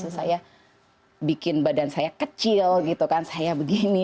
saya bikin badan saya kecil saya begini